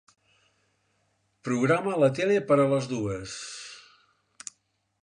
Programa la tele per a les dues.